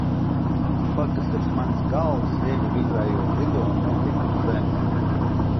Kaut kas virs manas galvas, viegli vibrējot, lido un nokrīt uz zemes.